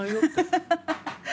ハハハハ！